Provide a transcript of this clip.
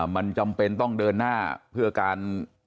มันจำเป็นต้องเดินหน้าเพื่อการ